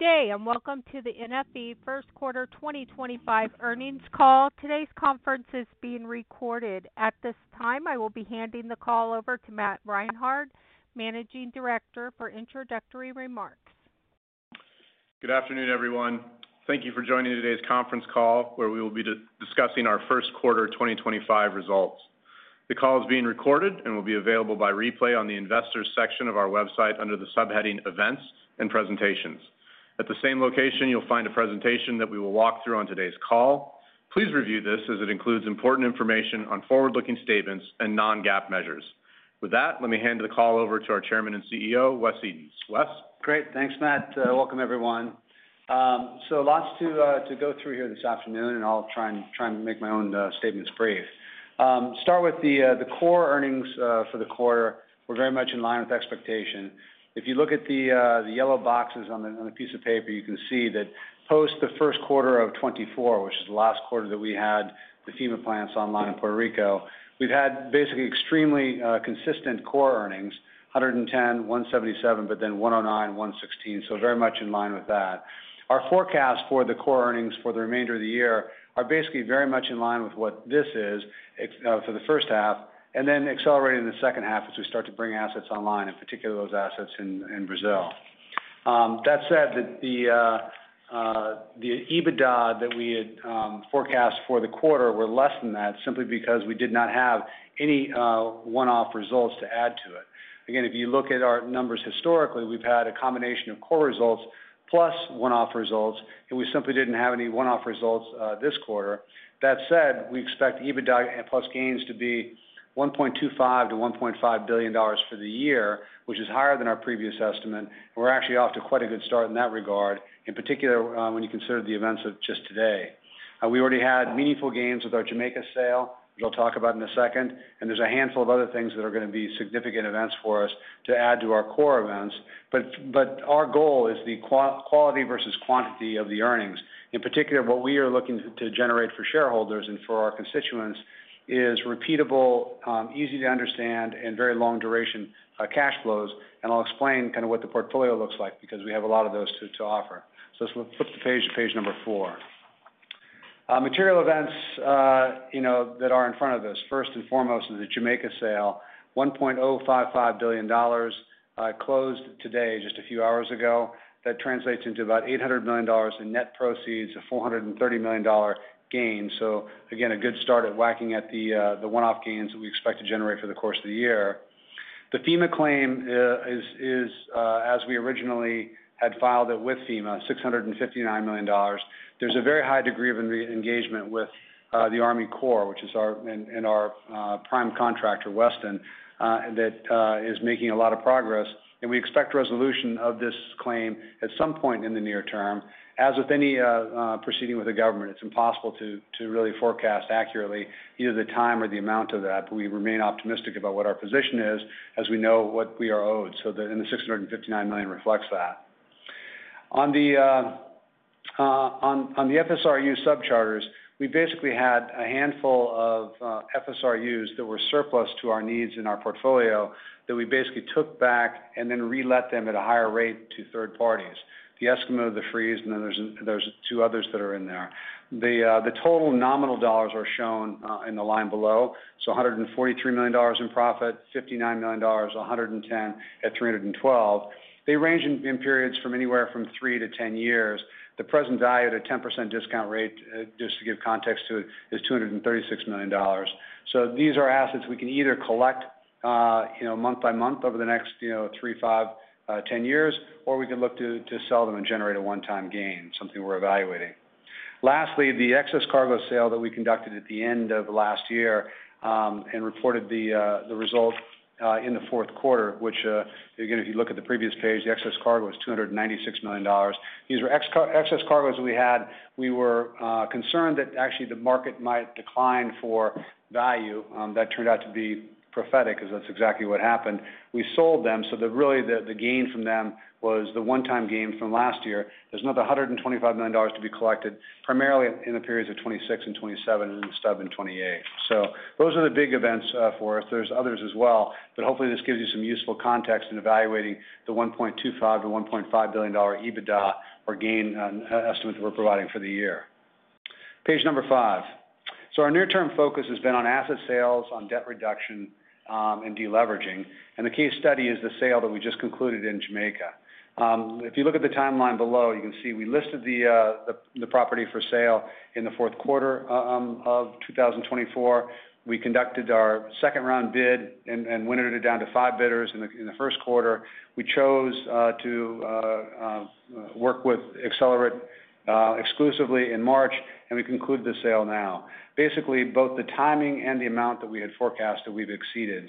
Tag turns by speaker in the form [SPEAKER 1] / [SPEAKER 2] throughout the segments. [SPEAKER 1] Good day and welcome to the NFE First Quarter 2025 earnings call. Today's conference is being recorded. At this time, I will be handing the call over to Matt Reinhard, Managing Director, for introductory remarks.
[SPEAKER 2] Good afternoon, everyone. Thank you for joining today's conference call, where we will be discussing our First Quarter 2025 results. The call is being recorded and will be available by replay on the Investor section of our website under the subheading Events and Presentations. At the same location, you'll find a presentation that we will walk through on today's call. Please review this, as it includes important information on forward-looking statements and non-GAAP measures. With that, let me hand the call over to our Chairman and CEO, Wesley Edens. Wes. Great. Thanks, Matt. Welcome, everyone. Lots to go through here this afternoon, and I'll try and make my own statements brief. Start with the core earnings for the quarter. We're very much in line with expectation. If you look at the yellow boxes on the piece of paper, you can see that post the first quarter of 2024, which is the last quarter that we had the FEMA plants online in Puerto Rico, we've had basically extremely consistent core earnings: $110 milion, $177 million, but then $109 million, $116 million. Very much in line with that. Our forecast for the core earnings for the remainder of the year are basically very much in line with what this is for the first half, and then accelerating in the second half as we start to bring assets online, in particular those assets in Brazil. That said, the EBITDA that we had forecast for the quarter were less than that simply because we did not have any one-off results to add to it. Again, if you look at our numbers historically, we've had a combination of core results plus one-off results, and we simply didn't have any one-off results this quarter. That said, we expect EBITDA plus gains to be $1.25 billion-$1.5 billion for the year, which is higher than our previous estimate. We're actually off to quite a good start in that regard, in particular when you consider the events of just today. We already had meaningful gains with our Jamaica sale, which I'll talk about in a second, and there's a handful of other things that are going to be significant events for us to add to our core events. Our goal is the quality versus quantity of the earnings. In particular, what we are looking to generate for shareholders and for our constituents is repeatable, easy to understand, and very long-duration cash flows. I'll explain kind of what the portfolio looks like because we have a lot of those to offer. Let's flip the page to page number four. Material events that are in front of us, first and foremost, is the Jamaica sale, $1.055 billion closed today, just a few hours ago. That translates into about $800 million in net proceeds, a $430 million gain. Again, a good start at whacking at the one-off gains that we expect to generate for the course of the year. The FEMA claim is, as we originally had filed it with FEMA, $659 million. There's a very high degree of engagement with the Army Corps, which is our prime contractor, Weston, that is making a lot of progress. We expect resolution of this claim at some point in the near term. As with any proceeding with the government, it is impossible to really forecast accurately either the time or the amount of that. We remain optimistic about what our position is, as we know what we are owed. The $659 million reflects that. On the FSRU subcharters, we basically had a handful of FSRUs that were surplus to our needs in our portfolio that we took back and then relet them at a higher rate to third parties. The estimate of the Freeze, and then there are two others that are in there. The total nominal dollars are shown in the line below. $143 million in profit, $59 million, $110 million, $312 million. They range in periods from anywhere from three to ten years. The present value at a 10% discount rate, just to give context to it, is $236 million. These are assets we can either collect month by month over the next three, five, 10 years, or we can look to sell them and generate a one-time gain, something we are evaluating. Lastly, the excess cargo sale that we conducted at the end of last year and reported the result in the fourth quarter, which, again, if you look at the previous page, the excess cargo was $296 million. These were excess cargoes that we had. We were concerned that actually the market might decline for value. That turned out to be prophetic, because that is exactly what happened. We sold them. Really, the gain from them was the one-time gain from last year. There is another $125 million to be collected, primarily in the periods of 2026 and 2027 and stubborn 2028. Those are the big events for us. There are others as well. Hopefully, this gives you some useful context in evaluating the $1.25 billion-$1.5 billion EBITDA or gain estimate that we're providing for the year. Page number five. Our near-term focus has been on asset sales, on debt reduction, and deleveraging. The case study is the sale that we just concluded in Jamaica. If you look at the timeline below, you can see we listed the property for sale in the fourth quarter of 2024. We conducted our second-round bid and went down to five bidders in the first quarter. We chose to work with Accelerate exclusively in March, and we concluded the sale now. Basically, both the timing and the amount that we had forecast that we've exceeded.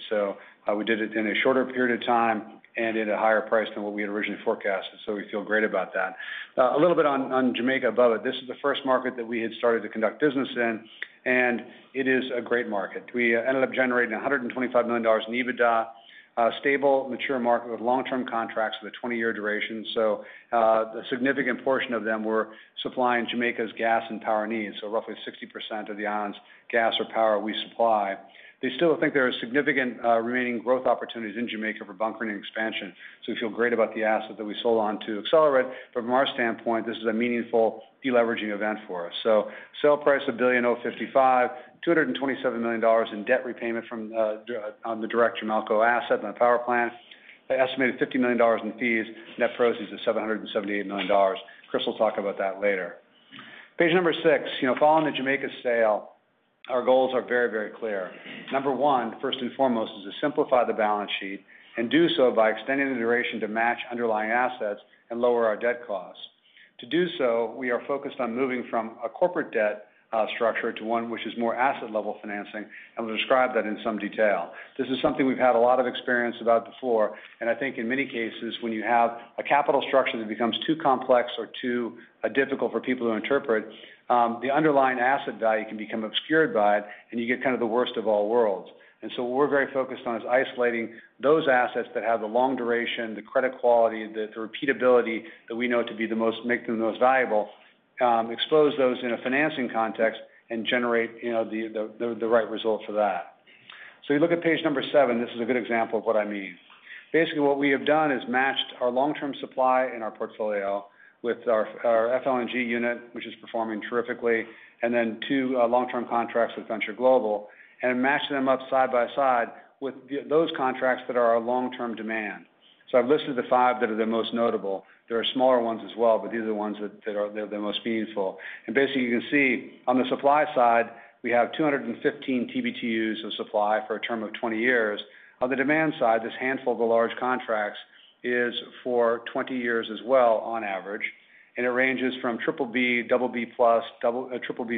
[SPEAKER 2] We did it in a shorter period of time and at a higher price than what we had originally forecast. We feel great about that. A little bit on Jamaica above it. This is the first market that we had started to conduct business in, and it is a great market. We ended up generating $125 million in EBITDA, stable, mature market with long-term contracts with a 20-year duration. A significant portion of them were supplying Jamaica's gas and power needs. Roughly 60% of the island's gas or power we supply. They still think there are significant remaining growth opportunities in Jamaica for bunkering and expansion. We feel great about the asset that we sold on to Accelerate. From our standpoint, this is a meaningful deleveraging event for us. Sale price of $1.055 billion, $227 million in debt repayment on the direct-to-Malco asset and the power plant, estimated $50 million in fees, net proceeds of $778 million. Crystal will talk about that later. Page number six. Following the Jamaica sale, our goals are very, very clear. Number one, first and foremost, is to simplify the balance sheet and do so by extending the duration to match underlying assets and lower our debt costs. To do so, we are focused on moving from a corporate debt structure to one which is more asset-level financing, and we'll describe that in some detail. This is something we've had a lot of experience about before. I think in many cases, when you have a capital structure that becomes too complex or too difficult for people to interpret, the underlying asset value can become obscured by it, and you get kind of the worst of all worlds. What we're very focused on is isolating those assets that have the long duration, the credit quality, the repeatability that we know to be the most valuable, expose those in a financing context, and generate the right result for that. You look at page number seven, this is a good example of what I mean. Basically, what we have done is matched our long-term supply in our portfolio with our FLNG unit, which is performing terrifically, and then two long-term contracts with Venture Global, and matched them up side by side with those contracts that are our long-term demand. I've listed the five that are the most notable. There are smaller ones as well, but these are the ones that are the most meaningful. Basically, you can see on the supply side, we have 215 TBtu of supply for a term of 20 years. On the demand side, this handful of the large contracts is for 20 years as well, on average. It ranges from BBB, BB+, BBB-,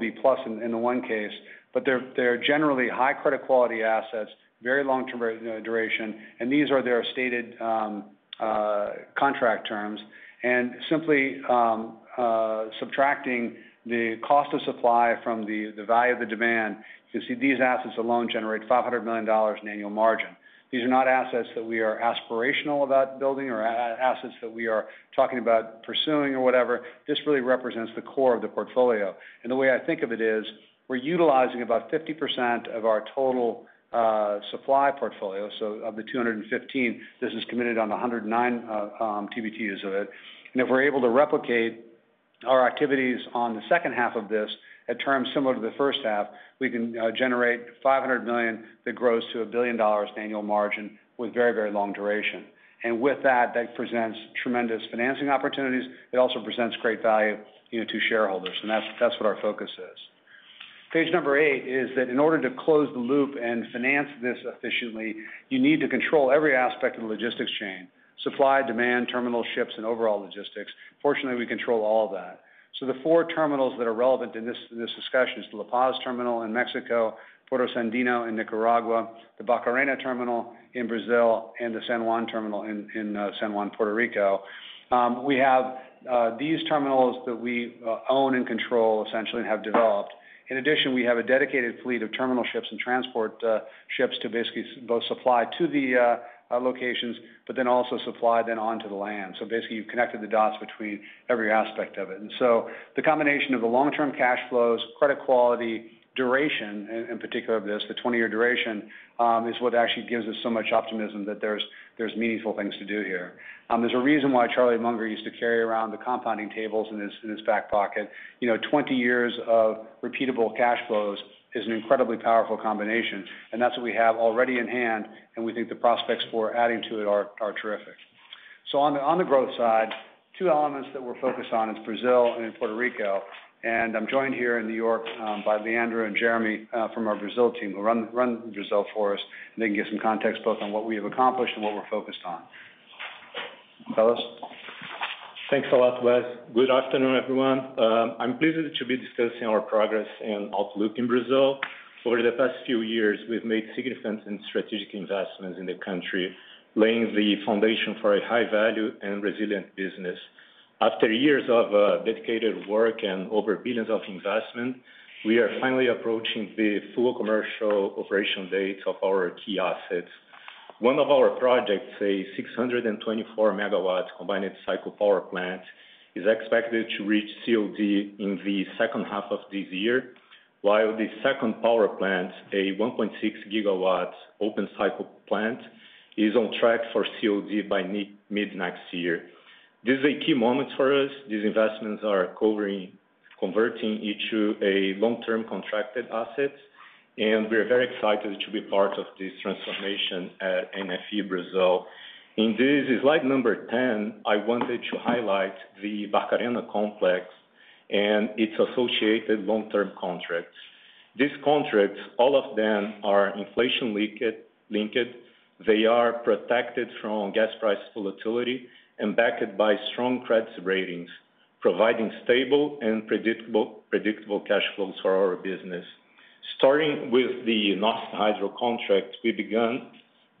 [SPEAKER 2] B+ in the one case. They're generally high-credit quality assets, very long-term duration, and these are their stated contract terms. Simply subtracting the cost of supply from the value of the demand, you can see these assets alone generate $500 million in annual margin. These are not assets that we are aspirational about building or assets that we are talking about pursuing or whatever. This really represents the core of the portfolio. The way I think of it is we're utilizing about 50% of our total supply portfolio. Of the 215, this is committed on 109 TBtus of it. If we're able to replicate our activities on the second half of this at terms similar to the first half, we can generate $500 million that grows to $1 billion in annual margin with very, very long duration. That presents tremendous financing opportunities. It also presents great value to shareholders. That's what our focus is. Page number eight is that in order to close the loop and finance this efficiently, you need to control every aspect of the logistics chain: supply, demand, terminal, ships, and overall logistics. Fortunately, we control all of that. The four terminals that are relevant in this discussion are the La Paz terminal in Mexico, Porto Sandino in Nicaragua, the Bacarena terminal in Brazil, and the San Juan terminal in San Juan, Puerto Rico. We have these terminals that we own and control, essentially, and have developed. In addition, we have a dedicated fleet of terminal ships and transport ships to basically both supply to the locations, but then also supply then onto the land. Basically, you have connected the dots between every aspect of it. The combination of the long-term cash flows, credit quality, duration, in particular of this, the 20-year duration, is what actually gives us so much optimism that there are meaningful things to do here. There is a reason why Charlie Munger used to carry around the compounding tables in his back pocket. 20 years of repeatable cash flows is an incredibly powerful combination. That is what we have already in hand, and we think the prospects for adding to it are terrific. On the growth side, two elements that we are focused on are Brazil and Puerto Rico. I am joined here in New York by Leandro and Jeremy from our Brazil team who run Brazil for us. They can give some context both on what we have accomplished and what we are focused on. Fellas.
[SPEAKER 3] Thanks a lot, Wes. Good afternoon, everyone. I'm pleased to be discussing our progress and outlook in Brazil. Over the past few years, we've made significant and strategic investments in the country, laying the foundation for a high-value and resilient business. After years of dedicated work and over billions of investment, we are finally approaching the full commercial operation date of our key assets. One of our projects, a 624 MW combined cycle power plant, is expected to reach COD in the second half of this year, while the second power plant, a 1.6 GW open cycle plant, is on track for COD by mid-next year. This is a key moment for us. These investments are converting into a long-term contracted asset, and we're very excited to be part of this transformation at NFE Brazil. In this slide number 10, I wanted to highlight the Bacarena complex and its associated long-term contracts. These contracts, all of them, are inflation-linked. They are protected from gas price volatility and backed by strong credit ratings, providing stable and predictable cash flows for our business. Starting with the Norsk Hydro contract, we began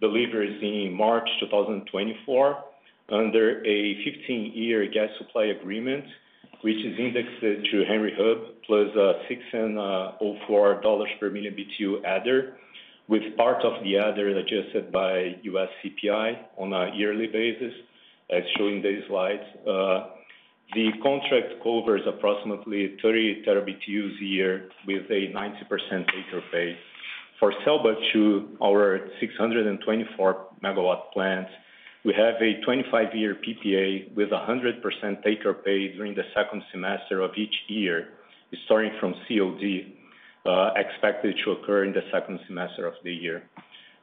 [SPEAKER 3] deliveries in March 2024 under a 15-year gas supply agreement, which is indexed to Henry Hub +$6.04 per million BTU adder, with part of the adder adjusted by U.S. CPI on a yearly basis, as shown in these slides. The contract covers approximately 30 TBtu with a 90% take-or-pay. For CELBA 2, our 624 MW plant, we have a 25-year PPA with 100% take-or-pay during the second semester of each year, starting from COD, expected to occur in the second semester of the year.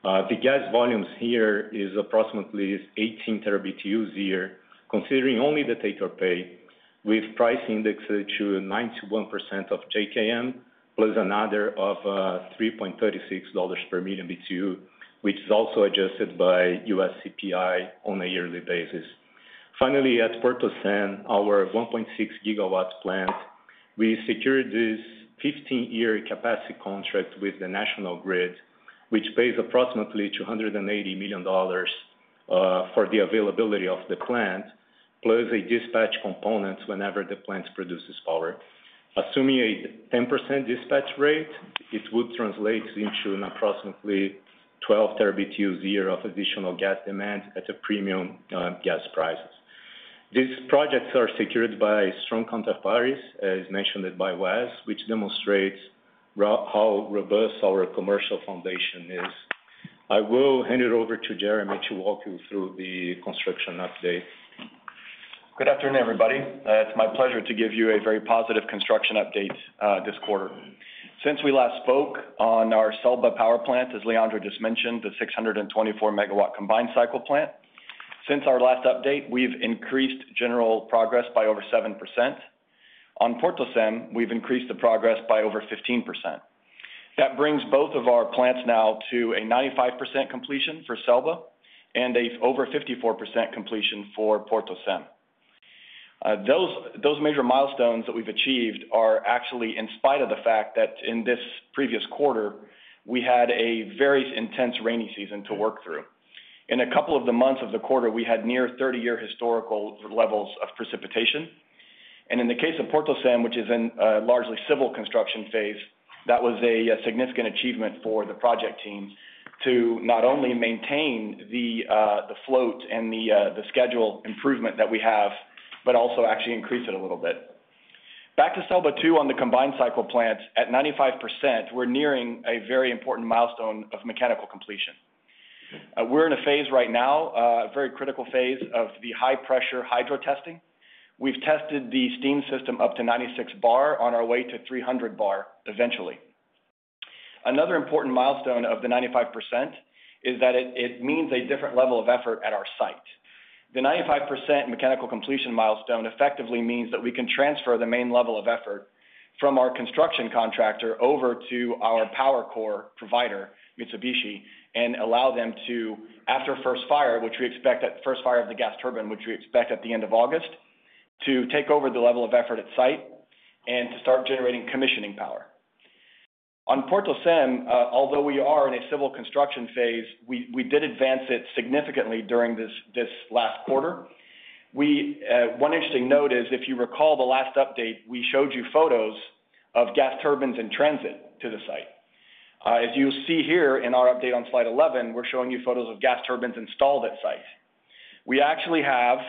[SPEAKER 3] The gas volumes here are approximately 18 TBtu here, considering only the take-or-pay, with price indexed to 91% of JKM plus an adder of $3.36 per million BTU, which is also adjusted by U.S. CPI on a yearly basis. Finally, at PortoCem, our 1.6 GW plant, we secured this 15-year capacity contract with the National Grid, which pays approximately $280 million for the availability of the plant, plus a dispatch component whenever the plant produces power. Assuming a 10% dispatch rate, it would translate into an approximately 12 TBtu of additional gas demand at a premium gas price. These projects are secured by strong counterparties, as mentioned by Wes, which demonstrates how robust our commercial foundation is. I will hand it over to Jeremy to walk you through the construction update.
[SPEAKER 4] Good afternoon, everybody. It's my pleasure to give you a very positive construction update this quarter. Since we last spoke on our CELBA power plant, as Leandro just mentioned, the 624 MW combined cycle plant, since our last update, we've increased general progress by over 7%. On Portocém, we've increased the progress by over 15%. That brings both of our plants now to a 95% completion for CELBA and an over 54% completion for Portocém. Those major milestones that we've achieved are actually in spite of the fact that in this previous quarter, we had a very intense rainy season to work through. In a couple of the months of the quarter, we had near 30-year historical levels of precipitation. In the case of Portocém, which is in a largely civil construction phase, that was a significant achievement for the project team to not only maintain the float and the schedule improvement that we have, but also actually increase it a little bit. Back to CELBA 2 on the combined cycle plants, at 95%, we're nearing a very important milestone of mechanical completion. We're in a phase right now, a very critical phase of the high-pressure hydro testing. We've tested the steam system up to 96 bar on our way to 300 bar eventually. Another important milestone of the 95% is that it means a different level of effort at our site. The 95% mechanical completion milestone effectively means that we can transfer the main level of effort from our construction contractor over to our power core provider, Mitsubishi, and allow them to, after first fire, which we expect at first fire of the gas turbine, which we expect at the end of August, to take over the level of effort at site and to start generating commissioning power. On Portocém, although we are in a civil construction phase, we did advance it significantly during this last quarter. One interesting note is, if you recall the last update, we showed you photos of gas turbines in transit to the site. As you see here in our update on slide 11, we're showing you photos of gas turbines installed at site. We actually have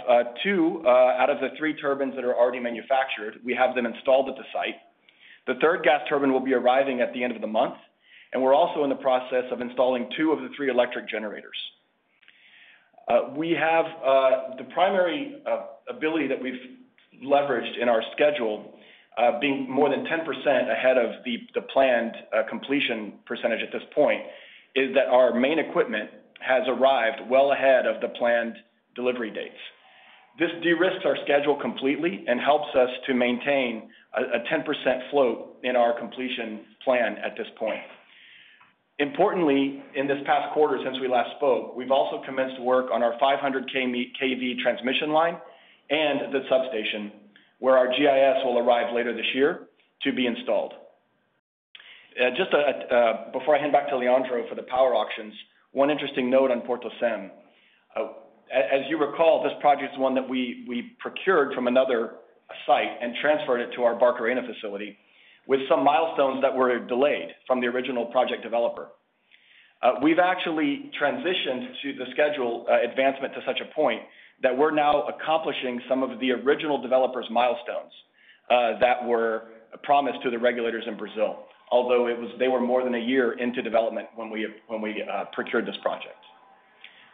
[SPEAKER 4] two out of the three turbines that are already manufactured. We have them installed at the site. The third gas turbine will be arriving at the end of the month, and we're also in the process of installing two of the three electric generators. We have the primary ability that we've leveraged in our schedule, being more than 10% ahead of the planned completion percentage at this point, is that our main equipment has arrived well ahead of the planned delivery dates. This de-risks our schedule completely and helps us to maintain a 10% float in our completion plan at this point. Importantly, in this past quarter since we last spoke, we've also commenced work on our 500 kV transmission line and the substation, where our GIS will arrive later this year to be installed. Just before I hand back to Leandro for the power auctions, one interesting note on PortoCem. As you recall, this project is one that we procured from another site and transferred it to our Bacarena facility with some milestones that were delayed from the original project developer. We've actually transitioned to the schedule advancement to such a point that we're now accomplishing some of the original developer's milestones that were promised to the regulators in Brazil, although they were more than a year into development when we procured this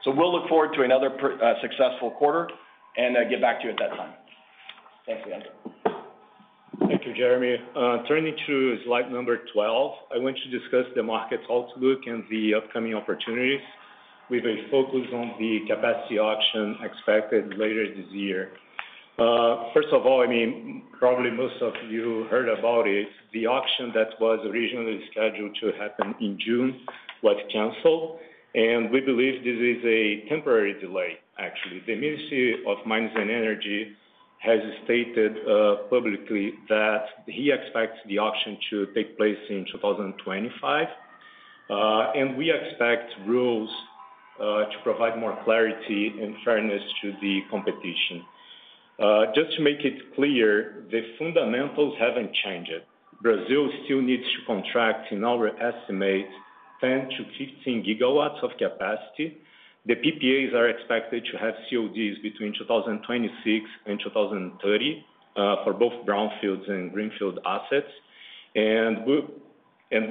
[SPEAKER 4] project. We look forward to another successful quarter and get back to you at that time. Thanks, Leandro.
[SPEAKER 3] Thank you, Jeremy. Turning to slide number 12, I want to discuss the market's outlook and the upcoming opportunities with a focus on the capacity auction expected later this year. First of all, I mean, probably most of you heard about it. The auction that was originally scheduled to happen in June was canceled, and we believe this is a temporary delay, actually. The Ministry of Mines and Energy has stated publicly that he expects the auction to take place in 2025, and we expect rules to provide more clarity and fairness to the competition. Just to make it clear, the fundamentals haven't changed. Brazil still needs to contract, in our estimate, 10 GW-15 GW of capacity. The PPAs are expected to have CODs between 2026 and 2030 for both brownfields and greenfield assets. We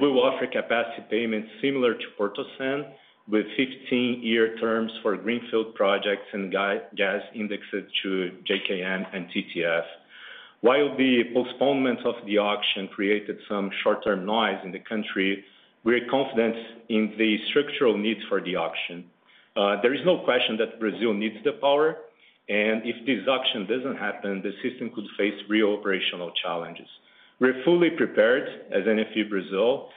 [SPEAKER 3] will offer capacity payments similar to PortoCem with 15-year terms for greenfield projects and gas indexed to JKM and TTF. While the postponement of the auction created some short-term noise in the country, we're confident in the structural needs for the auction. There is no question that Brazil needs the power, and if this auction doesn't happen, the system could face real operational challenges. We're fully prepared as NFE Brazil.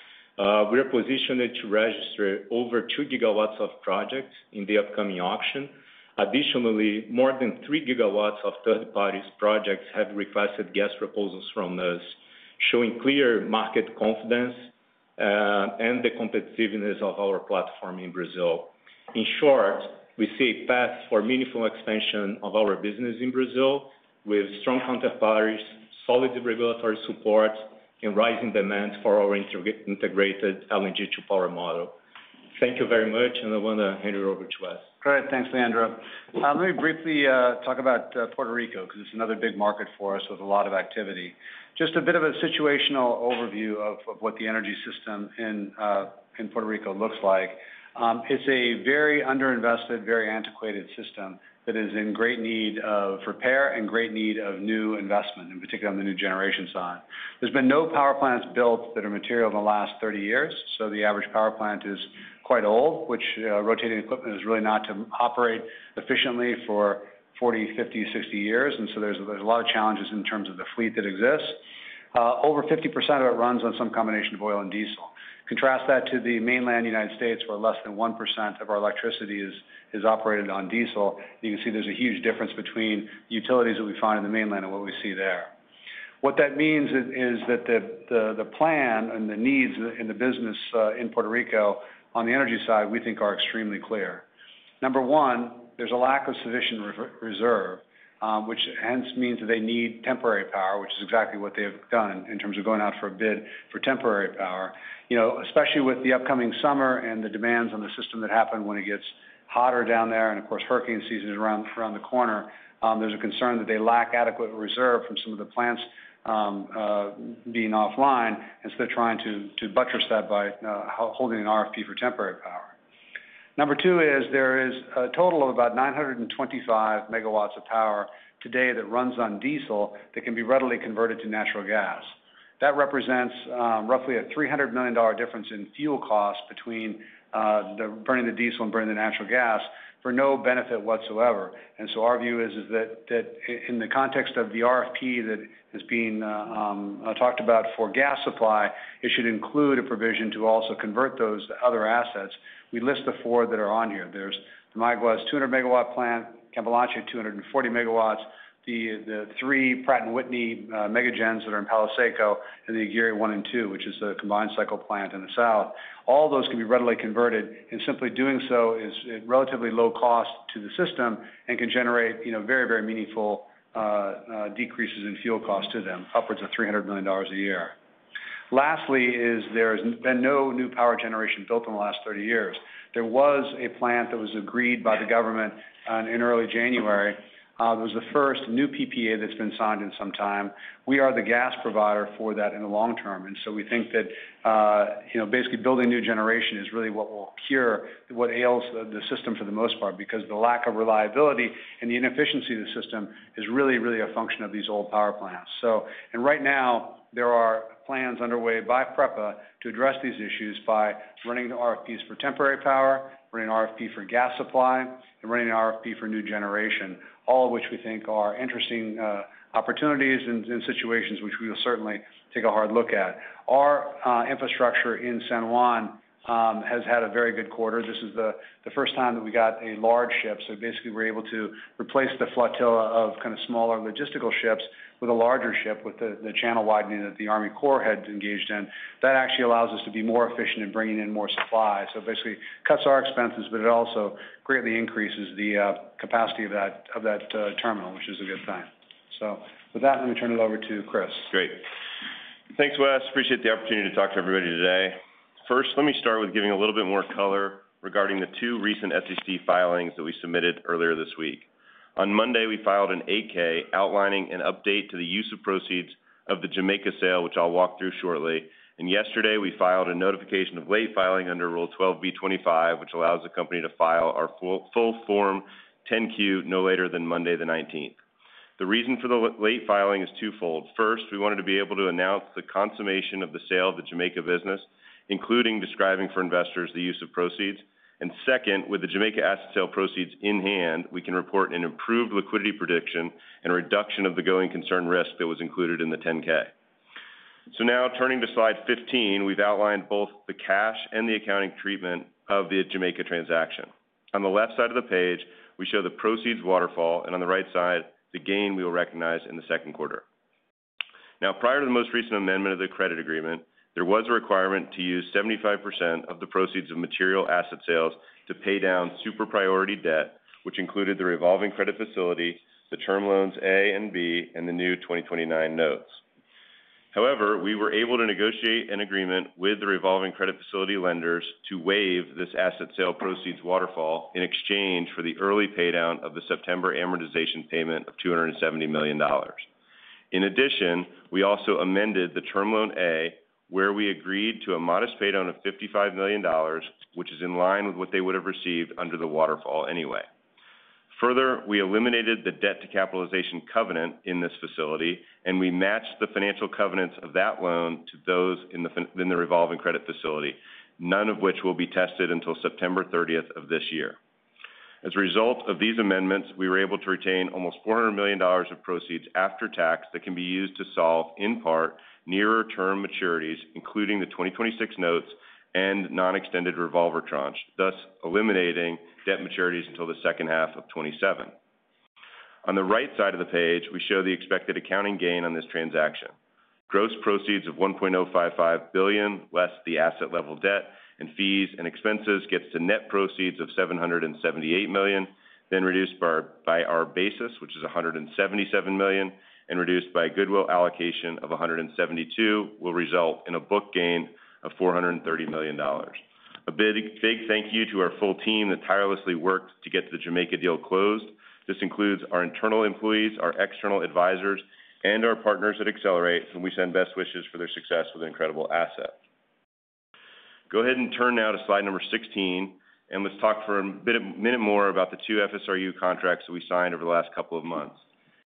[SPEAKER 3] We are positioned to register over 2 GW of projects in the upcoming auction. Additionally, more than 3 GW of third-party projects have requested gas proposals from us, showing clear market confidence and the competitiveness of our platform in Brazil. In short, we see a path for meaningful expansion of our business in Brazil with strong counterparties, solid regulatory support, and rising demand for our integrated LNG-to-power model. Thank you very much, and I want to hand it over to Wes.
[SPEAKER 5] Great. Thanks, Leandro. Let me briefly talk about Puerto Rico because it's another big market for us with a lot of activity. Just a bit of a situational overview of what the energy system in Puerto Rico looks like. It's a very underinvested, very antiquated system that is in great need of repair and great need of new investment, in particular on the new generation side. There's been no power plants built that are material in the last 30 years, so the average power plant is quite old, which rotating equipment is really not to operate efficiently for 40, 50, 60 years. There's a lot of challenges in terms of the fleet that exists. Over 50% of it runs on some combination of oil and diesel. Contrast that to the mainland United States, where less than 1% of our electricity is operated on diesel. You can see there's a huge difference between the utilities that we find in the mainland and what we see there. What that means is that the plan and the needs in the business in Puerto Rico on the energy side, we think, are extremely clear. Number one, there's a lack of sufficient reserve, which hence means that they need temporary power, which is exactly what they have done in terms of going out for a bid for temporary power. Especially with the upcoming summer and the demands on the system that happen when it gets hotter down there, and of course, hurricane season is around the corner, there's a concern that they lack adequate reserve from some of the plants being offline, and so they're trying to buttress that by holding an RFP for temporary power. Number two is there is a total of about 925 MW of power today that runs on diesel that can be readily converted to natural gas. That represents roughly a $300 million difference in fuel costs between burning the diesel and burning the natural gas for no benefit whatsoever. Our view is that in the context of the RFP that is being talked about for gas supply, it should include a provision to also convert those other assets. We list the four that are on here. There is the Mayagüez 200 MW plant, Capellanía 240 MW, the three Pratt & Whitney mega gens that are in Palo Seco, and the Aguirre 1 and 2, which is the combined cycle plant in the south. All those can be readily converted, and simply doing so is relatively low cost to the system and can generate very, very meaningful decreases in fuel costs to them, upwards of $300 million a year. Lastly, there has been no new power generation built in the last 30 years. There was a plant that was agreed by the government in early January. It was the first new PPA that's been signed in some time. We are the gas provider for that in the long term, and so we think that basically building new generation is really what will cure what ails the system for the most part because the lack of reliability and the inefficiency of the system is really, really a function of these old power plants. Right now, there are plans underway by PREPA to address these issues by running the RFPs for temporary power, running an RFP for gas supply, and running an RFP for new generation, all of which we think are interesting opportunities and situations which we will certainly take a hard look at. Our infrastructure in San Juan has had a very good quarter. This is the first time that we got a large ship, so basically we're able to replace the flotilla of kind of smaller logistical ships with a larger ship with the channel widening that the Army Corps had engaged in. That actually allows us to be more efficient in bringing in more supply. Basically, it cuts our expenses, but it also greatly increases the capacity of that terminal, which is a good thing. With that, let me turn it over to Chris.
[SPEAKER 6] Great. Thanks, Wes. Appreciate the opportunity to talk to everybody today. First, let me start with giving a little bit more color regarding the two recent SEC filings that we submitted earlier this week. On Monday, we filed an 8-K outlining an update to the use of proceeds of the Jamaica sale, which I'll walk through shortly. Yesterday, we filed a notification of late filing under Rule 12B-25, which allows the company to file our full form 10-Q no later than Monday the 19th. The reason for the late filing is twofold. First, we wanted to be able to announce the consummation of the sale of the Jamaica business, including describing for investors the use of proceeds. Second, with the Jamaica asset sale proceeds in hand, we can report an improved liquidity prediction and reduction of the going concern risk that was included in the 10-K. Now, turning to slide 15, we've outlined both the cash and the accounting treatment of the Jamaica transaction. On the left side of the page, we show the proceeds waterfall, and on the right side, the gain we will recognize in the second quarter. Prior to the most recent amendment of the credit agreement, there was a requirement to use 75% of the proceeds of material asset sales to pay down super priority debt, which included the revolving credit facility, the term loans A and B, and the new 2029 notes. However, we were able to negotiate an agreement with the revolving credit facility lenders to waive this asset sale proceeds waterfall in exchange for the early paydown of the September amortization payment of $270 million. In addition, we also amended the term loan A, where we agreed to a modest paydown of $55 million, which is in line with what they would have received under the waterfall anyway. Further, we eliminated the debt-to-capitalization covenant in this facility, and we matched the financial covenants of that loan to those in the revolving credit facility, none of which will be tested until September 30th, 2024. As a result of these amendments, we were able to retain almost $400 million of proceeds after tax that can be used to solve, in part, nearer term maturities, including the 2026 notes and non-extended revolver tranche, thus eliminating debt maturities until the second half of 2027. On the right side of the page, we show the expected accounting gain on this transaction. Gross proceeds of $1.055 billion less the asset-level debt and fees and expenses gets to net proceeds of $778 million, then reduced by our basis, which is $177 million, and reduced by goodwill allocation of $172 million, will result in a book gain of $430 million. A big thank you to our full team that tirelessly worked to get the Jamaica deal closed. This includes our internal employees, our external advisors, and our partners at Accelerate, and we send best wishes for their success with an incredible asset. Go ahead and turn now to slide number 16, and let's talk for a minute more about the two FSRU contracts that we signed over the last couple of months.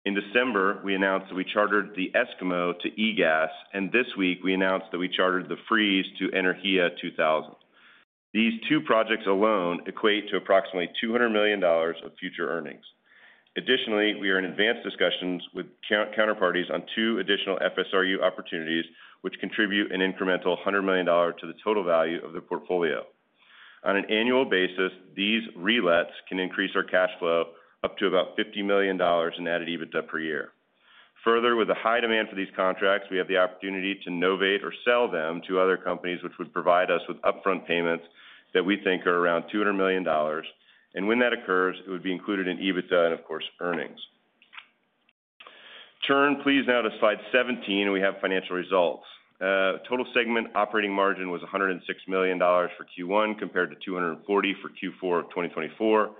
[SPEAKER 6] In December, we announced that we chartered the Eskimo to EGAS, and this week, we announced that we chartered the Freeze to Energía 2000. These two projects alone equate to approximately $200 million of future earnings. Additionally, we are in advanced discussions with counterparties on two additional FSRU opportunities, which contribute an incremental $100 million to the total value of the portfolio. On an annual basis, these relits can increase our cash flow up to about $50 million in added EBITDA per year. Further, with the high demand for these contracts, we have the opportunity to novate or sell them to other companies, which would provide us with upfront payments that we think are around $200 million. When that occurs, it would be included in EBITDA and, of course, earnings. Turn, please, now to slide 17, and we have financial results. Total segment operating margin was $106 million for Q1 compared to $240 million for Q4 of 2024.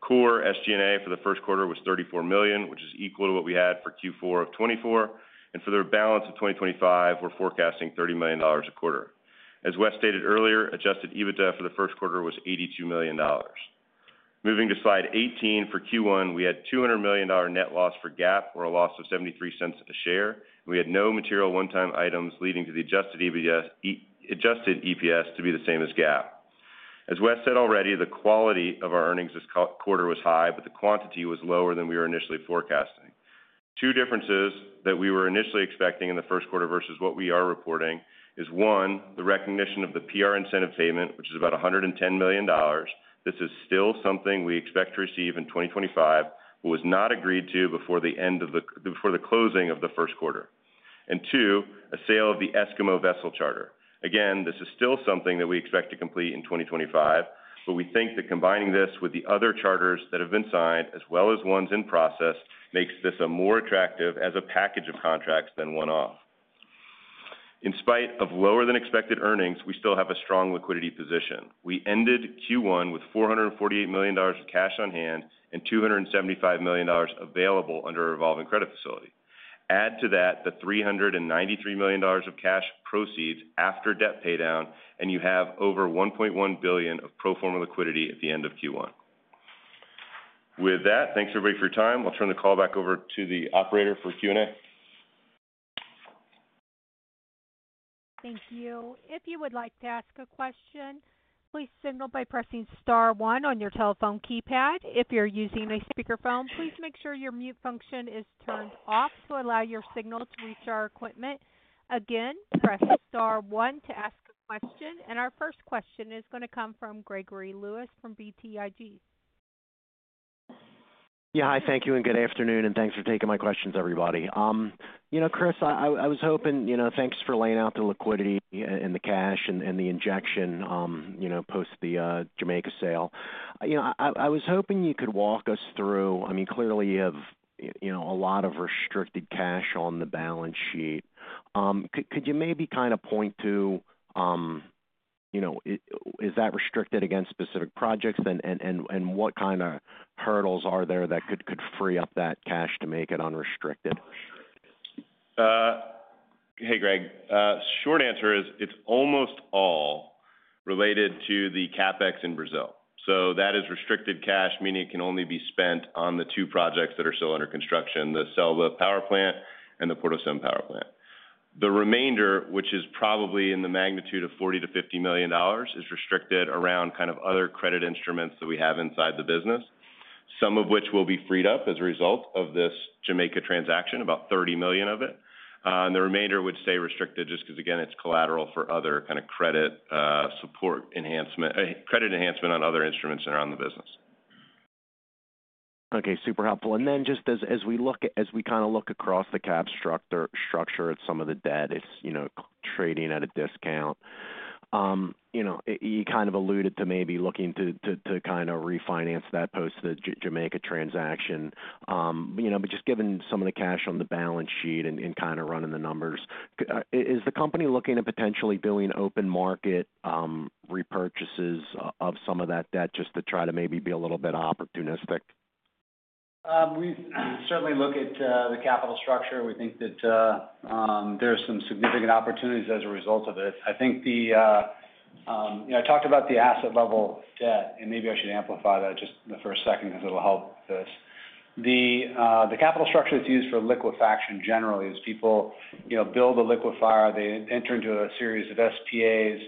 [SPEAKER 6] Core SG&A for the first quarter was $34 million, which is equal to what we had for Q4 of 2024. For the balance of 2025, we're forecasting $30 million a quarter. As Wes stated earlier, adjusted EBITDA for the first quarter was $82 million. Moving to slide 18 for Q1, we had a $200 million net loss for GAAP, or a loss of $0.73 a share. We had no material one-time items leading to the adjusted EPS to be the same as GAAP. As Wes said already, the quality of our earnings this quarter was high, but the quantity was lower than we were initially forecasting. Two differences that we were initially expecting in the first quarter versus what we are reporting is, one, the recognition of the PR incentive payment, which is about $110 million. This is still something we expect to receive in 2025, but was not agreed to before the closing of the first quarter. Two, a sale of the Eskimo vessel charter. Again, this is still something that we expect to complete in 2025, but we think that combining this with the other charters that have been signed, as well as ones in process, makes this more attractive as a package of contracts than one-off. In spite of lower-than-expected earnings, we still have a strong liquidity position. We ended Q1 with $448 million of cash on hand and $275 million available under a revolving credit facility. Add to that the $393 million of cash proceeds after debt paydown, and you have over $1.1 billion of pro forma liquidity at the end of Q1. With that, thanks everybody for your time. I'll turn the call back over to the operator for Q&A.
[SPEAKER 1] Thank you. If you would like to ask a question, please signal by pressing star one on your telephone keypad. If you're using a speakerphone, please make sure your mute function is turned off to allow your signal to reach our equipment. Again, press star one to ask a question. Our first question is going to come from Gregory Lewis from BTIG.
[SPEAKER 7] Yeah, hi, thank you, and good afternoon, and thanks for taking my questions, everybody. You know, Chris, I was hoping—thanks for laying out the liquidity and the cash and the injection post the Jamaica sale. I was hoping you could walk us through—I mean, clearly, you have a lot of restricted cash on the balance sheet. Could you maybe kind of point to, is that restricted against specific projects, and what kind of hurdles are there that could free up that cash to make it unrestricted?
[SPEAKER 6] Hey, Greg. Short answer is it's almost all related to the CapEx in Brazil. That is restricted cash, meaning it can only be spent on the two projects that are still under construction, the CELBA power plant and the PortoCem power plant. The remainder, which is probably in the magnitude of $40 million-$50 million, is restricted around kind of other credit instruments that we have inside the business, some of which will be freed up as a result of this Jamaica transaction, about $30 million of it. The remainder would stay restricted just because, again, it's collateral for other kind of credit support enhancement, credit enhancement on other instruments that are on the business.
[SPEAKER 7] Okay, super helpful. Just as we kind of look across the cap structure at some of the debt, it's trading at a discount. You kind of alluded to maybe looking to kind of refinance that post the Jamaica transaction. Just given some of the cash on the balance sheet and kind of running the numbers, is the company looking at potentially doing open market repurchases of some of that debt just to try to maybe be a little bit opportunistic?
[SPEAKER 5] We certainly look at the capital structure. We think that there are some significant opportunities as a result of this. I think the—I talked about the asset-level debt, and maybe I should amplify that just for a second because it'll help this. The capital structure that's used for liquefaction generally is people build a liquefier. They enter into a series of SPAs.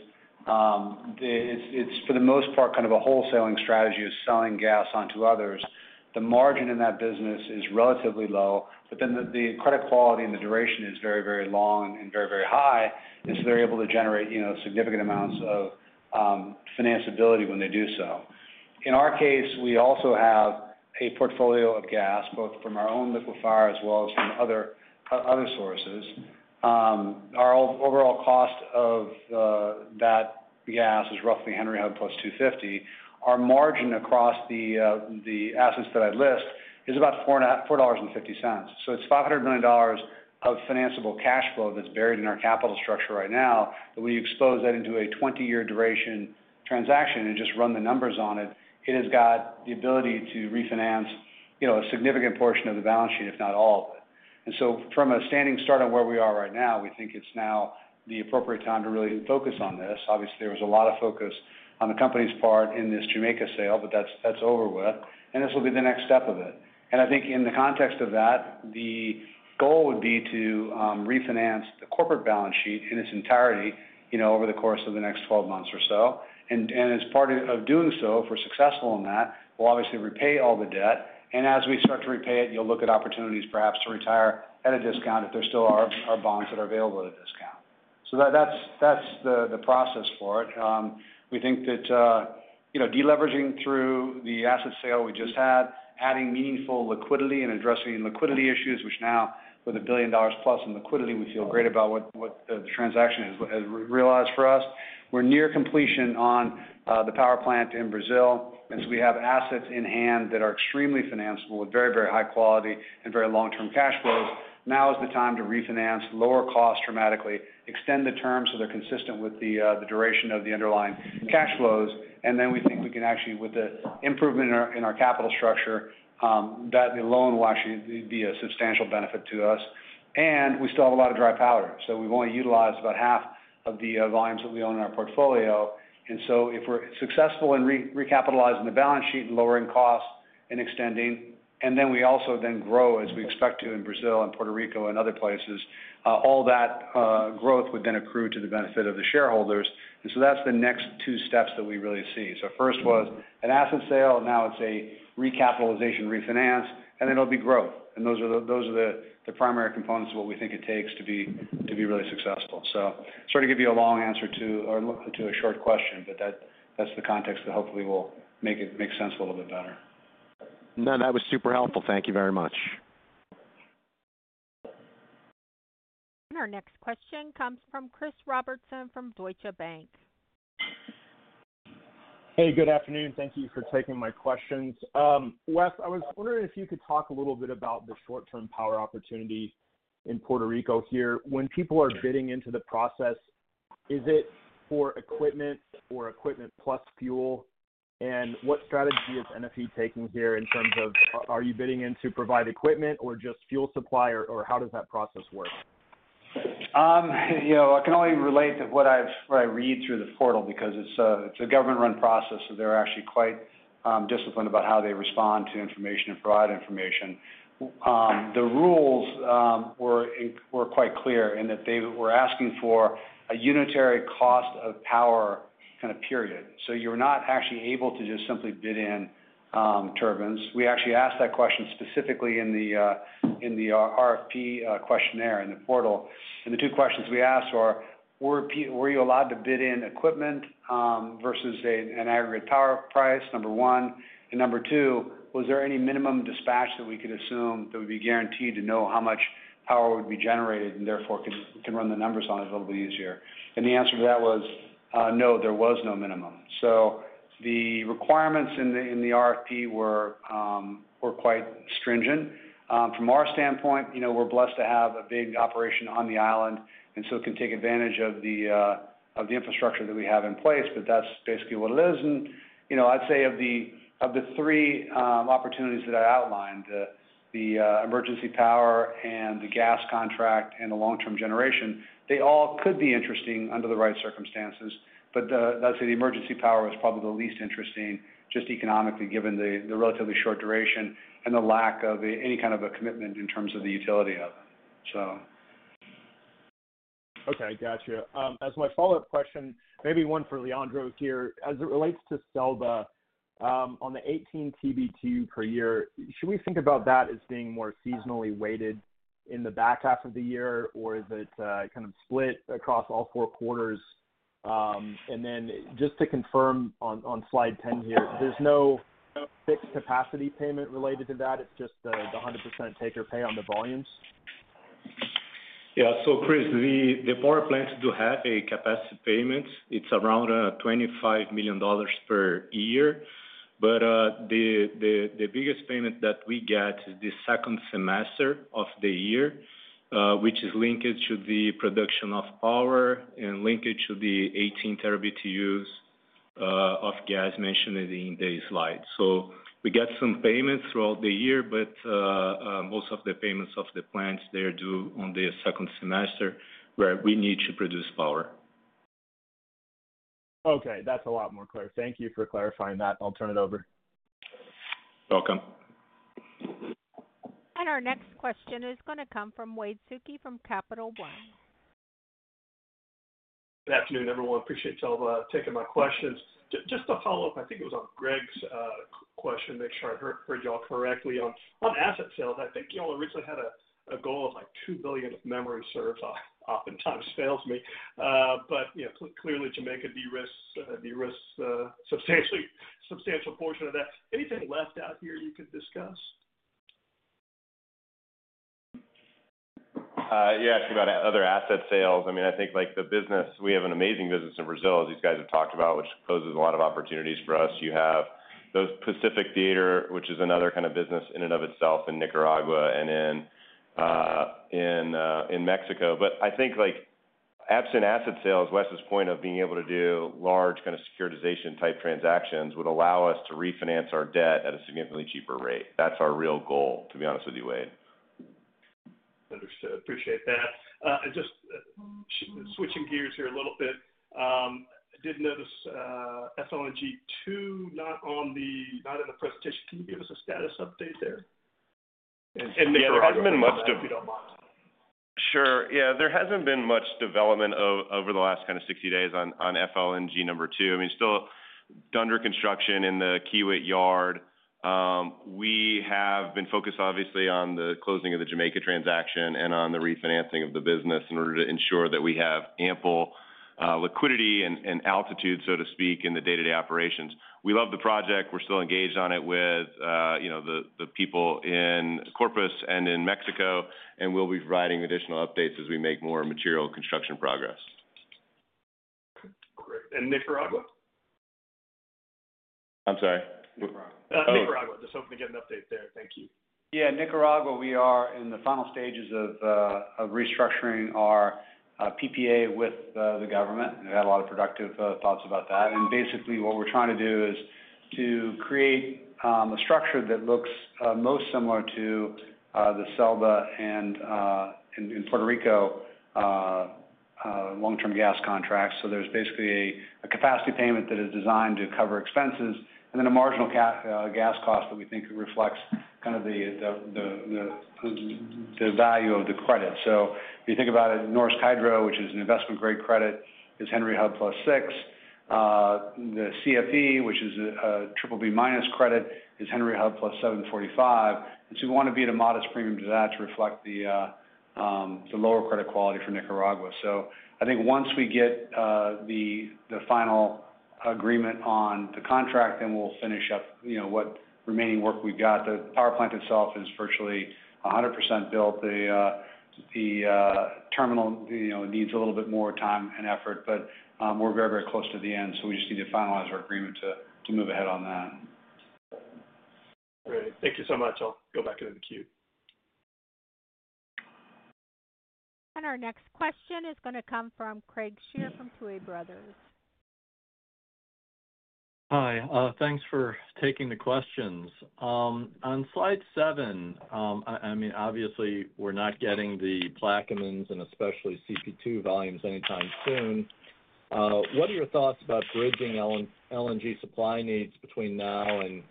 [SPEAKER 5] It's, for the most part, kind of a wholesaling strategy of selling gas onto others. The margin in that business is relatively low, but then the credit quality and the duration is very, very long and very, very high, and so they're able to generate significant amounts of financeability when they do so. In our case, we also have a portfolio of gas, both from our own liquefier as well as from other sources. Our overall cost of that gas is roughly Henry Hub +$2.50. Our margin across the assets that I list is about $4.50. So it's $500 million of financeable cash flow that's buried in our capital structure right now. But when you expose that into a 20-year duration transaction and just run the numbers on it, it has got the ability to refinance a significant portion of the balance sheet, if not all of it. From a standing start on where we are right now, we think it's now the appropriate time to really focus on this. Obviously, there was a lot of focus on the company's part in this Jamaica sale, but that's over with, and this will be the next step of it. I think in the context of that, the goal would be to refinance the corporate balance sheet in its entirety over the course of the next 12 months or so. As part of doing so, if we're successful in that, we'll obviously repay all the debt. As we start to repay it, you'll look at opportunities perhaps to retire at a discount if there still are bonds that are available at a discount. That's the process for it. We think that deleveraging through the asset sale we just had, adding meaningful liquidity and addressing liquidity issues, which now, with $1 billion plus in liquidity, we feel great about what the transaction has realized for us. We're near completion on the power plant in Brazil, and we have assets in hand that are extremely financeable with very, very high quality and very long-term cash flows. Now is the time to refinance, lower cost dramatically, extend the term so they're consistent with the duration of the underlying cash flows. We think we can actually, with the improvement in our capital structure, that the loan will actually be a substantial benefit to us. We still have a lot of dry powder, so we've only utilized about half of the volumes that we own in our portfolio. If we're successful in recapitalizing the balance sheet and lowering costs and extending, and we also then grow as we expect to in Brazil and Puerto Rico and other places, all that growth would then accrue to the benefit of the shareholders. Those are the next two steps that we really see. First was an asset sale, now it's a recapitalization refinance, and then it'll be growth. Those are the primary components of what we think it takes to be really successful. Sort of give you a long answer to a short question, but that's the context that hopefully will make sense a little bit better.
[SPEAKER 7] No, that was super helpful. Thank you very much.
[SPEAKER 1] Our next question comes from Chris Robertson from Deutsche Bank.
[SPEAKER 8] Hey, good afternoon. Thank you for taking my questions. Wes, I was wondering if you could talk a little bit about the short-term power opportunity in Puerto Rico here. When people are bidding into the process, is it for equipment or equipment plus fuel? What strategy is NFE taking here in terms of, are you bidding in to provide equipment or just fuel supply, or how does that process work?
[SPEAKER 5] I can only relate to what I read through the portal because it's a government-run process, so they're actually quite disciplined about how they respond to information and provide information. The rules were quite clear in that they were asking for a unitary cost of power kind of period. You're not actually able to just simply bid in turbines. We actually asked that question specifically in the RFP questionnaire in the portal. The two questions we asked were, were you allowed to bid in equipment versus an aggregate power price, number one? Number two, was there any minimum dispatch that we could assume that we'd be guaranteed to know how much power would be generated and therefore could run the numbers on it a little bit easier? The answer to that was, no, there was no minimum. The requirements in the RFP were quite stringent. From our standpoint, we're blessed to have a big operation on the island, and it can take advantage of the infrastructure that we have in place, but that's basically what it is. I'd say of the three opportunities that I outlined, the emergency power and the gas contract and the long-term generation, they all could be interesting under the right circumstances. I'd say the emergency power was probably the least interesting, just economically given the relatively short duration and the lack of any kind of a commitment in terms of the utility of it.
[SPEAKER 8] Okay, gotcha. As my follow-up question, maybe one for Leandro here. As it relates to CELBA, on the 18 TBtu per year, should we think about that as being more seasonally weighted in the back half of the year, or is it kind of split across all four quarters? And then just to confirm on slide 10 here, there's no fixed capacity payment related to that? It's just the 100% take-or-pay on the volumes?
[SPEAKER 3] Yeah. Chris, the power plants do have a capacity payment. It is around $25 million per year. The biggest payment that we get is the second semester of the year, which is linked to the production of power and linked to the 18 TBtu of gas mentioned in the slide. We get some payments throughout the year, but most of the payments of the plants, they are due on the second semester where we need to produce power.
[SPEAKER 8] Okay, that's a lot more clear. Thank you for clarifying that. I'll turn it over.
[SPEAKER 3] Welcome.
[SPEAKER 1] Our next question is going to come from Wade Suki from Capital One.
[SPEAKER 9] Good afternoon, everyone. Appreciate y'all taking my questions. Just to follow up, I think it was on Greg's question to make sure I heard y'all correctly on asset sales. I think y'all originally had a goal of like $2 billion of memory serves. It oftentimes fails me. Clearly, Jamaica derisks a substantial portion of that. Anything left out here you could discuss?
[SPEAKER 6] Yeah, actually about other asset sales. I mean, I think the business, we have an amazing business in Brazil, as these guys have talked about, which poses a lot of opportunities for us. You have those Pacific Theater, which is another kind of business in and of itself in Nicaragua and in Mexico. I think absent asset sales, Wes's point of being able to do large kind of securitization-type transactions would allow us to refinance our debt at a significantly cheaper rate. That's our real goal, to be honest with you, Wade.
[SPEAKER 9] Understood. Appreciate that. Just switching gears here a little bit. I did notice SLNG2 not in the presentation. Can you give us a status update there? There has not been much development.
[SPEAKER 6] Sure. Yeah, there hasn't been much development over the last kind of 60 days on FLNG 2. I mean, still under construction in the Kiewit Yard. We have been focused, obviously, on the closing of the Jamaica transaction and on the refinancing of the business in order to ensure that we have ample liquidity and altitude, so to speak, in the day-to-day operations. We love the project. We're still engaged on it with the people in Corpus and in Mexico, and we'll be providing additional updates as we make more material construction progress.
[SPEAKER 9] Great. And Nicaragua?
[SPEAKER 6] I'm sorry?
[SPEAKER 9] Nicaragua. Just hoping to get an update there. Thank you.
[SPEAKER 5] Yeah, Nicaragua, we are in the final stages of restructuring our PPA with the government. We've had a lot of productive thoughts about that. Basically, what we're trying to do is to create a structure that looks most similar to the CELBA and in Puerto Rico long-term gas contracts. There is basically a capacity payment that is designed to cover expenses and then a marginal gas cost that we think reflects kind of the value of the credit. If you think about it, Norsk Hydro, which is an investment-grade credit, is Henry Hub +6. The CFE, which is a BBB- credit, is Henry Hub +7.45. We want to be at a modest premium to that to reflect the lower credit quality for Nicaragua. I think once we get the final agreement on the contract, then we'll finish up what remaining work we've got. The power plant itself is virtually 100% built. The terminal needs a little bit more time and effort, but we're very, very close to the end, so we just need to finalize our agreement to move ahead on that.
[SPEAKER 9] Great. Thank you so much. I'll go back into the queue.
[SPEAKER 1] Our next question is going to come from Craig Shere from Tuohy Brothers.
[SPEAKER 10] Hi. Thanks for taking the questions. On slide seven, I mean, obviously, we're not getting the Plaquemines and especially CP2 volumes anytime soon. What are your thoughts about bridging LNG supply needs between now and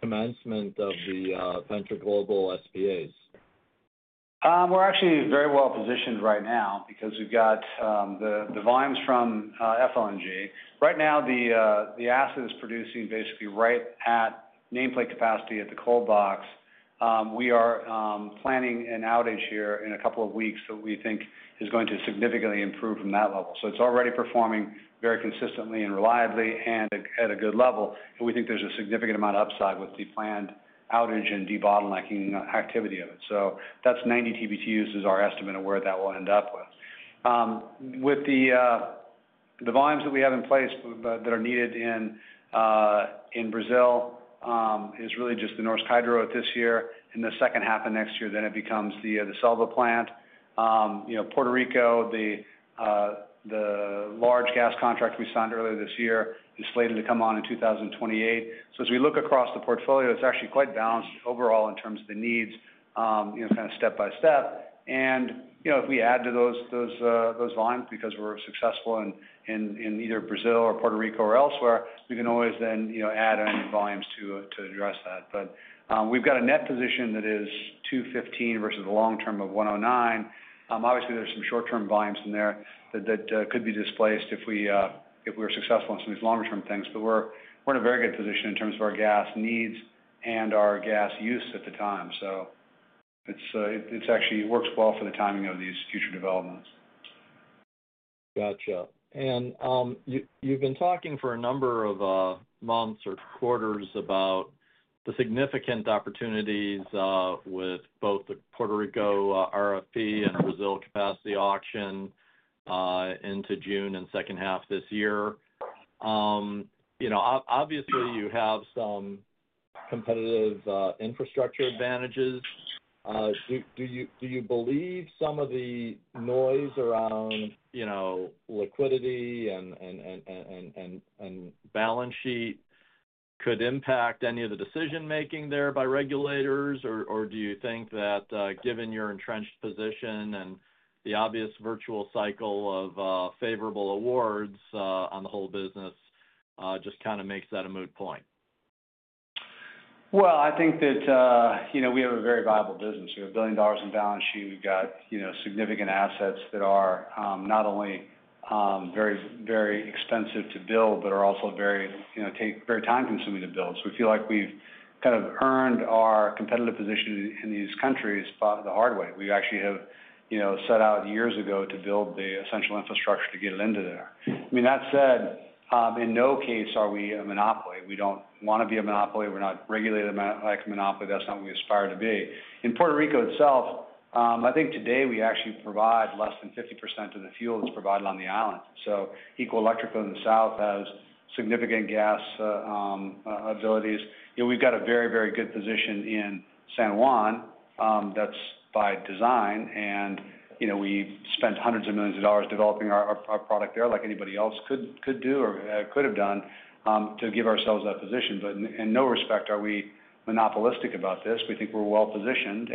[SPEAKER 10] commencement of the Venture Global SPAs?
[SPEAKER 5] We're actually very well positioned right now because we've got the volumes from FLNG. Right now, the asset is producing basically right at nameplate capacity at the cold box. We are planning an outage here in a couple of weeks that we think is going to significantly improve from that level. It is already performing very consistently and reliably and at a good level. We think there's a significant amount of upside with the planned outage and debottlenecking activity of it. That is 90 TBtu is our estimate of where that will end up with. With the volumes that we have in place that are needed in Brazil, it is really just the Norsk Hydro at this year and the second half of next year. It becomes the CELBA plant. Puerto Rico, the large gas contract we signed earlier this year, is slated to come on in 2028. As we look across the portfolio, it's actually quite balanced overall in terms of the needs kind of step by step. If we add to those volumes because we're successful in either Brazil or Puerto Rico or elsewhere, we can always then add any volumes to address that. We've got a net position that is 215 versus the long term of 109. Obviously, there's some short-term volumes in there that could be displaced if we were successful in some of these longer-term things. We're in a very good position in terms of our gas needs and our gas use at the time. It actually works well for the timing of these future developments. Gotcha. You have been talking for a number of months or quarters about the significant opportunities with both the Puerto Rico RFP and Brazil capacity auction into June and second half this year. Obviously, you have some competitive infrastructure advantages. Do you believe some of the noise around liquidity and balance sheet could impact any of the decision-making there by regulators? Do you think that given your entrenched position and the obvious virtual cycle of favorable awards on the whole business just kind of makes that a moot point? I think that we have a very viable business. We have a billion dollars in balance sheet. We've got significant assets that are not only very, very expensive to build, but are also very time-consuming to build. We feel like we've kind of earned our competitive position in these countries the hard way. We actually have set out years ago to build the essential infrastructure to get it into there. I mean, that said, in no case are we a monopoly. We don't want to be a monopoly. We're not regulated like a monopoly. That's not what we aspire to be. In Puerto Rico itself, I think today we actually provide less than 50% of the fuel that's provided on the island. Eco Electric in the south has significant gas abilities. We've got a very, very good position in San Juan that's by design. We spent hundreds of millions of dollars developing our product there like anybody else could do or could have done to give ourselves that position. In no respect are we monopolistic about this. We think we're well positioned.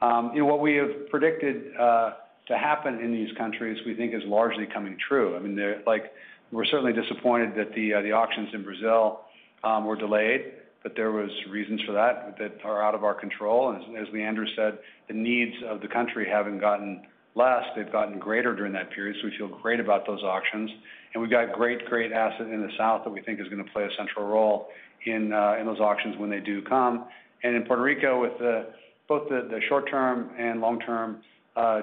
[SPEAKER 5] What we have predicted to happen in these countries, we think, is largely coming true. I mean, we're certainly disappointed that the auctions in Brazil were delayed, but there were reasons for that that are out of our control. As Leandro said, the needs of the country haven't gotten less. They've gotten greater during that period. We feel great about those auctions. We've got a great, great asset in the south that we think is going to play a central role in those auctions when they do come. In Puerto Rico, with both the short-term and long-term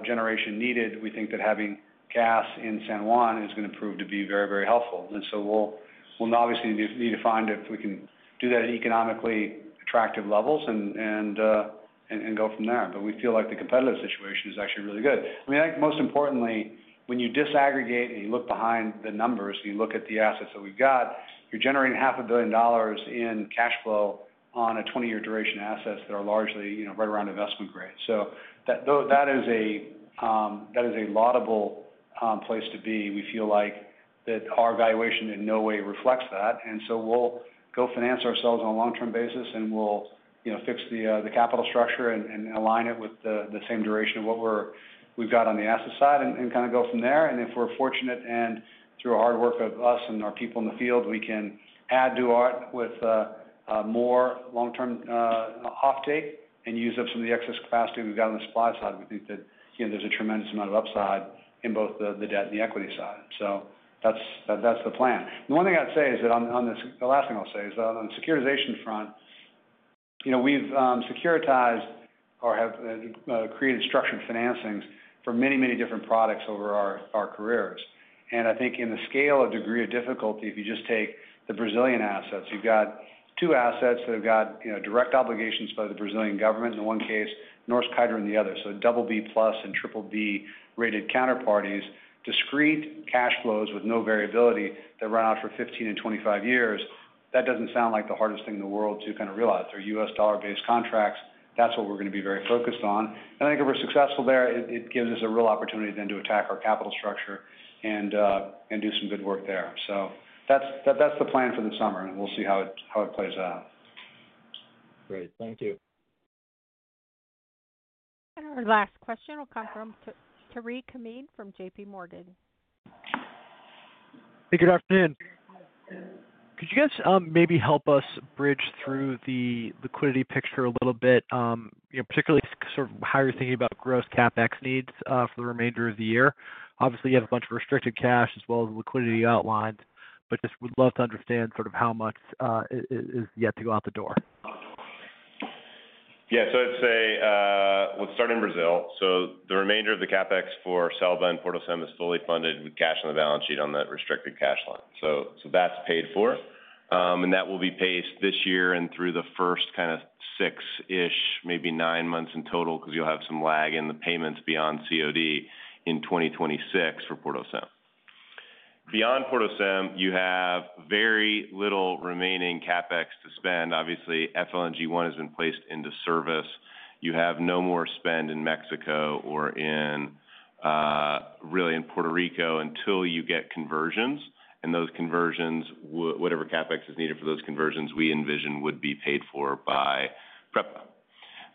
[SPEAKER 5] generation needed, we think that having gas in San Juan is going to prove to be very, very helpful. We will obviously need to find if we can do that at economically attractive levels and go from there. We feel like the competitive situation is actually really good. I mean, I think most importantly, when you disaggregate and you look behind the numbers, you look at the assets that we have got, you are generating $500 million in cash flow on 20-year duration assets that are largely right around investment grade. That is a laudable place to be. We feel like our valuation in no way reflects that. We will go finance ourselves on a long-term basis, and we will fix the capital structure and align it with the same duration of what we have on the asset side and kind of go from there. If we are fortunate and through hard work of us and our people in the field, we can add to it with more long-term offtake and use up some of the excess capacity we have on the supply side, we think that there is a tremendous amount of upside in both the debt and the equity side. That is the plan. The one thing I would say is that on this, the last thing I will say is that on the securitization front, we have securitized or have created structured financings for many, many different products over our careers. I think in the scale of degree of difficulty, if you just take the Brazilian assets, you've got two assets that have got direct obligations by the Brazilian government in one case, Norsk Hydro in the other. So BB+ and BBB rated counterparties, discrete cash flows with no variability that run out for 15 and 25 years. That does not sound like the hardest thing in the world to kind of realize. They're U.S. dollar-based contracts. That is what we're going to be very focused on. I think if we're successful there, it gives us a real opportunity then to attack our capital structure and do some good work there. That is the plan for the summer, and we'll see how it plays out.
[SPEAKER 10] Great. Thank you.
[SPEAKER 1] Our last question will come from Tareq Amin from JPMorgan.
[SPEAKER 11] Hey, good afternoon. Could you guys maybe help us bridge through the liquidity picture a little bit, particularly sort of how you're thinking about gross CapEx needs for the remainder of the year? Obviously, you have a bunch of restricted cash as well as liquidity outlines, but just would love to understand sort of how much is yet to go out the door.
[SPEAKER 6] Yeah. I'd say we'll start in Brazil. The remainder of the CapEx for CELBA and PortoCem is fully funded with cash on the balance sheet on that restricted cash line. That's paid for. That will be paid this year and through the first kind of six-ish, maybe nine months in total because you'll have some lag in the payments beyond COD in 2026 for PortoCem. Beyond PortoCem, you have very little remaining CapEx to spend. Obviously, FLNG 1 has been placed into service. You have no more spend in Mexico or really in Puerto Rico until you get conversions. Whatever CapEx is needed for those conversions, we envision would be paid for by PREPA.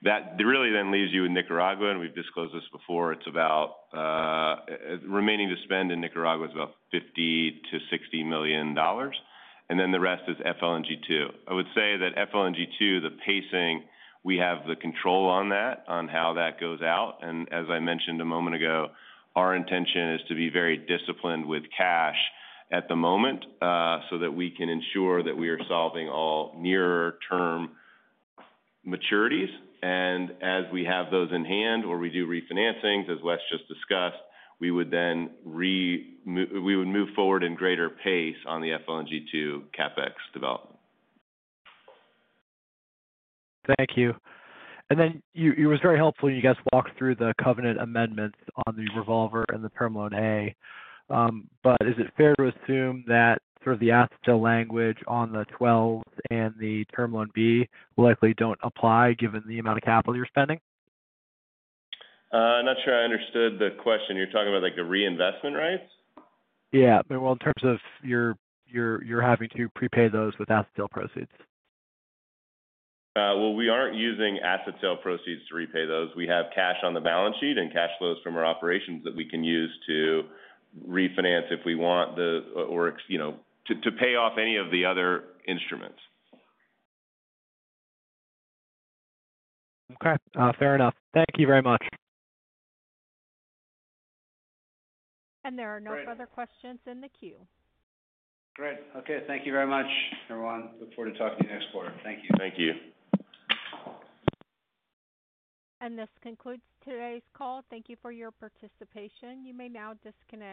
[SPEAKER 6] That really then leaves you in Nicaragua, and we've disclosed this before. Remaining to spend in Nicaragua is about $50 million-$60 million. The rest is FLNG 2. I would say that FLNG 2, the pacing, we have the control on that, on how that goes out. As I mentioned a moment ago, our intention is to be very disciplined with cash at the moment so that we can ensure that we are solving all near-term maturities. As we have those in hand or we do refinancing, as Wes just discussed, we would then move forward in greater pace on the FLNG 2 CapEx development.
[SPEAKER 11] Thank you. That was very helpful you guys walked through the covenant amendments on the revolver and the terminal A. Is it fair to assume that sort of the ASTEL language on the 12th and the terminal B likely don't apply given the amount of capital you're spending?
[SPEAKER 6] I'm not sure I understood the question. You're talking about the reinvestment rights?
[SPEAKER 11] Yeah. In terms of you're having to prepay those with asset sale proceeds.
[SPEAKER 6] We are not using asset sales proceeds to repay those. We have cash on the balance sheet and cash flows from our operations that we can use to refinance if we want or to pay off any of the other instruments.
[SPEAKER 11] Okay. Fair enough. Thank you very much.
[SPEAKER 1] There are no further questions in the queue.
[SPEAKER 5] Great. Okay. Thank you very much, everyone. Look forward to talking to you next quarter. Thank you.
[SPEAKER 6] Thank you.
[SPEAKER 1] This concludes today's call. Thank you for your participation. You may now disconnect.